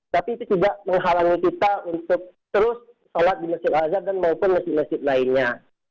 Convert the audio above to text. tapi itu tidak menghalangi kita untuk terus sholat di masjid al azhar dan maupun masjid masjid lainnya